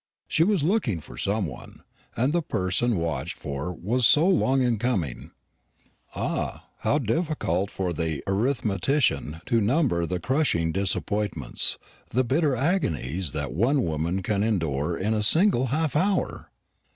She was looking for some one, and the person watched for was so long coming. Ah, how difficult for the arithmetician to number the crushing disappointments, the bitter agonies that one woman can endure in a single half hour!